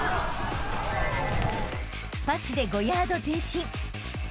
［パスで５ヤード前進］